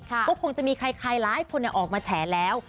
ก็คงจะมีใครหลายคนออกมาแฉแล้ว